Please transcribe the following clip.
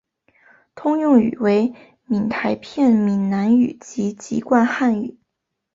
通用语为闽台片闽南语及籍贯汉语。